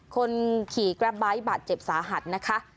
คนขี่กราฟไบท์บาดเจ็บสาหัสนะคะ